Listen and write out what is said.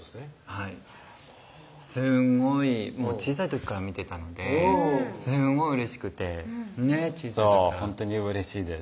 はいすんごい小さい時から見てたのですんごいうれしくてねっ小さい時からそうほんとにうれしいです